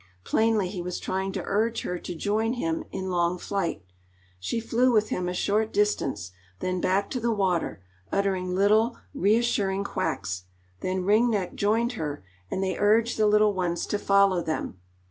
Plainly he was trying to urge her to join him in long flight. She flew with him a short distance, then back to the water, uttering little, reassuring quacks, then Ring Neck joined her, and they urged the little ones to follow them.